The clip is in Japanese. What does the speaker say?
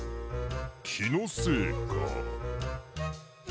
きのせいか。